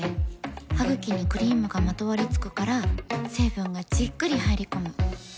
ハグキにクリームがまとわりつくから成分がじっくり入り込む。